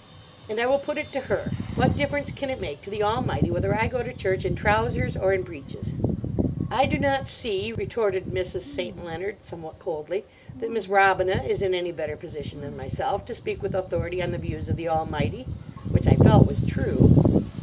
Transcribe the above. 'And I will put it to her, What difference can it make to the Almighty whether I go to church in trousers or in breeches?' "'I do not see,' retorted Mrs. St. Leonard somewhat coldly, 'that Miss Robina is in any better position than myself to speak with authority on the views of the Almighty'—which I felt was true.